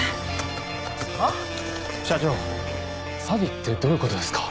社長詐欺ってどういう事ですか？